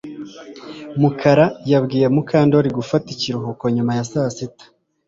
Mukara yabwiye Mukandoli gufata ikiruhuko nyuma ya saa sita